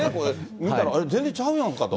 見たら全然ちゃうやんかと。